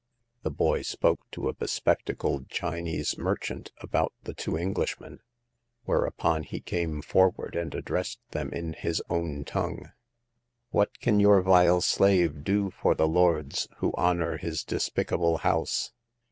The boy spoke to a spectacled Chinese merchant about the two Englishmen, whereupon he came for ward and addressed them in his own tongue. " What can your vile slave do for the lords who honor his despicable house